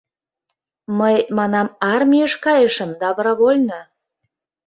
«Мый, — манам, — армийыш кайышым, добровольно».